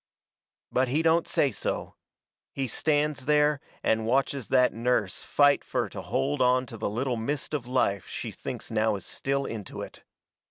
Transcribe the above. But he don't say so. He stands there and watches that nurse fight fur to hold onto the little mist of life she thinks now is still into it.